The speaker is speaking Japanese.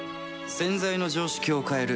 洗剤の常識を変える